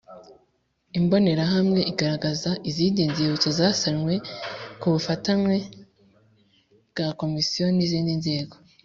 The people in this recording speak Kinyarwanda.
Imbonerahamwe igaragaza izindi nzibutso zasanwe ku bufatanye bwa Komisiyo n’ izindi nzego